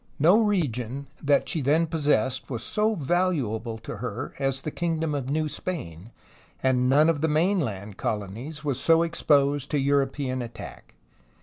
No region that she then possessed was so valuable to her as the kingdom of New Spain, and none of the mainland colonies was so exposed to European attack.